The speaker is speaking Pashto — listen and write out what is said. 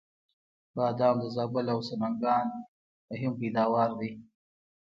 بادام د زابل او سمنګان مهم پیداوار دی